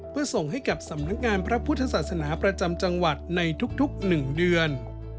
เพื่อส่งให้กับสำนักงานพระพุทธศาสนาประจำจังหวัดในทุก๑เดือน